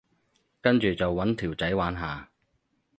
跟住就搵條仔玩下